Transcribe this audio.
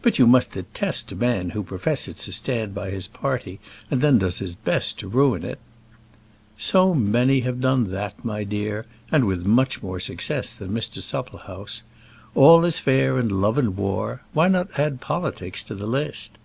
"But you must detest a man who professes to stand by his party, and then does his best to ruin it." "So many have done that, my dear; and with much more success than Mr. Supplehouse! All is fair in love and war, why not add politics to the list?